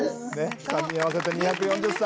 ３人合わせて２４０歳。